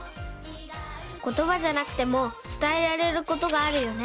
ことばじゃなくてもつたえられることがあるよね